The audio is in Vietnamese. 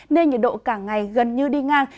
nên nhiệt độ cả ngày gần như đi ngang